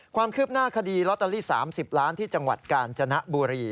ความคืบหน้าคดีลอตเตอรี่๓๐ล้านที่จังหวัดกาญจนบุรี